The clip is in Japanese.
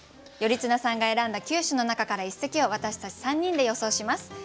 頼綱さんが選んだ九首の中から一席を私たち３人で予想します。